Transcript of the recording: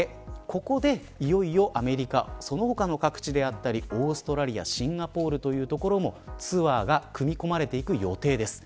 ここでいよいよアメリカその他の各地であったりオーストラリアシンガポールというところもツアーが組み込まれていく予定です。